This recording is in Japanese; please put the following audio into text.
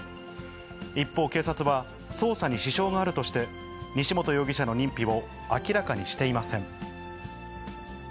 一方、警察は捜査に支障があるとして、西本容疑者の認否を明らかにしていません。